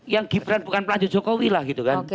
yang gibran bukan pelan jokowi lah gitu kan